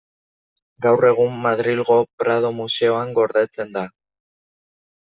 Gaur egun, Madrilgo Prado museoan gordetzen da.